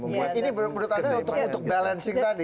ini menurut anda untuk balancing tadi